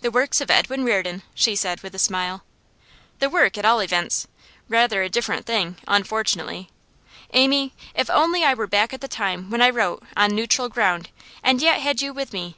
'The works of Edwin Reardon,' she said, with a smile. 'The work, at all events rather a different thing, unfortunately. Amy, if only I were back at the time when I wrote "On Neutral Ground," and yet had you with me!